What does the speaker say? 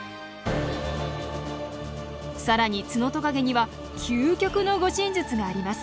更にツノトカゲには究極の護身術があります。